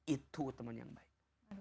itu teman yang baik